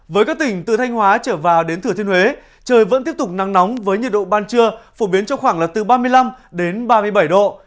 với các tỉnh từ thanh hóa trở vào đến thừa thiên huế trời vẫn tiếp tục nắng nóng với nhiệt độ ban trưa phổ biến trong khoảng là từ ba mươi năm đến ba mươi bảy độ